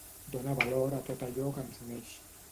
Dóna valor a tot allò que ens uneix.